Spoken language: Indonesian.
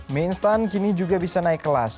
mi instant kini juga bisa naik kelas